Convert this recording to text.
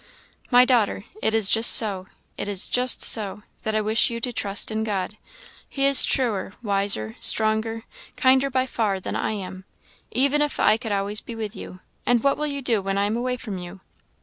"My daughter, it is just so it is just so that I wish you to trust in God. He is truer, wiser, stronger, kinder by far than I am, even if I could always be with you; and what will you do when I am away from you?